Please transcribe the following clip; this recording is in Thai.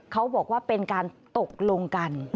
เขาบอกว่าเป็นการตกลงกัน